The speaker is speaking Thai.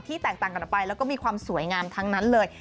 แตกต่างกันออกไปแล้วก็มีความสวยงามทั้งนั้นเลย